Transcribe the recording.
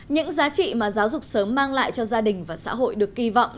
những giá trị mà giáo dục sớm mang lại cho gia đình và xã hội được kỳ vọng